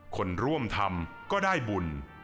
คนร่วมทำก็ได้บุญ